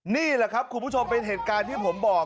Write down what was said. นี่แหละครับคุณผู้ชมเป็นเหตุการณ์ที่ผมบอก